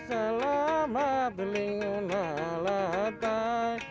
kampen selamat lingkungan latar